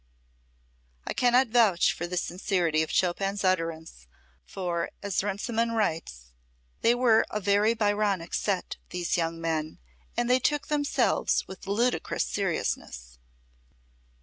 I cannot vouch for the sincerity of Chopin's utterance for as Runciman writes: "They were a very Byronic set, these young men; and they took themselves with ludicrous seriousness."